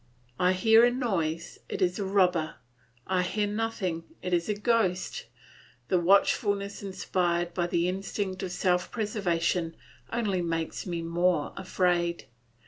I hear a noise, it is a robber; I hear nothing, it is a ghost. The watchfulness inspired by the instinct of self preservation only makes me more afraid.